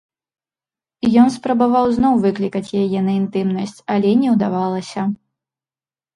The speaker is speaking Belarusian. Ён спрабаваў зноў выклікаць яе на інтымнасць, але не ўдавалася.